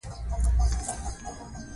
دا قيمتونه څنکه کمېدلی شي؟